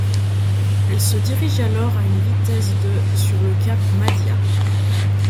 Elle se dirige alors à une vitesse de sur le cap Mahdia.